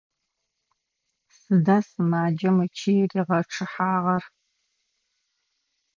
Сыда сымаджэм ычый ригъэчъыхьагъэр?